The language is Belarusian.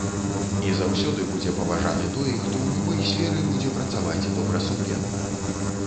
І заўсёды будзе паважаны той, хто ў любой сферы будзе працаваць добрасумленна.